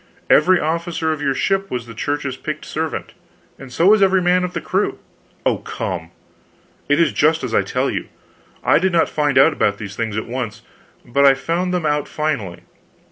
Every officer of your ship was the Church's picked servant, and so was every man of the crew." "Oh, come!" "It is just as I tell you. I did not find out these things at once, but I found them out finally.